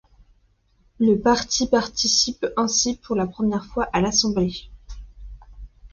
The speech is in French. Le parti participe ainsi pour la première fois à l'assemblée.